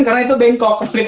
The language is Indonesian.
karena itu bengkok